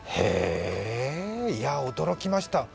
いや、驚きました。